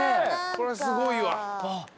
こりゃすごいわ。